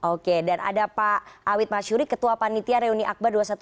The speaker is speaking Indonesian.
oke dan ada pak awit masyuri ketua panitia reuni akbar dua ratus dua belas